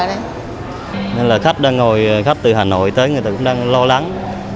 nên là khách đang ngồi khách từ hà nội tới người ta cũng đang lo lắng